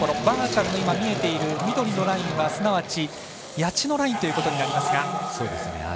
バーチャルの見えている緑のラインはすなわち、谷地のラインということになります。